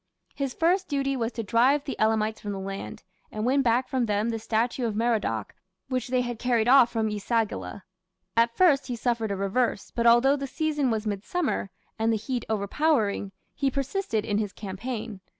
His first duty was to drive the Elamites from the land, and win back from them the statue of Merodach which they had carried off from E sagila. At first he suffered a reverse, but although the season was midsummer, and the heat overpowering, he persisted in his campaign.